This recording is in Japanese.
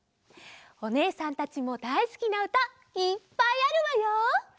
おねえさんたちもだいすきなうたいっぱいあるわよ。